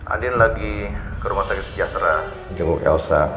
andin lagi ke rumah sakit sejahtera menjenguk elsa